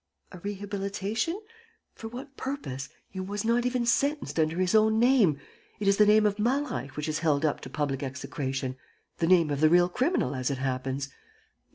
... A rehabilitation? For what purpose? He was not even sentenced under his own name. It is the name of Malreich which is held up to public execration ... the name of the real criminal, as it happens.